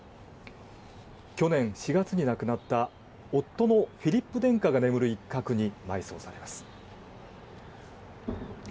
去年４月に亡くなった夫のフィリップ殿下が眠る一角に埋葬されます。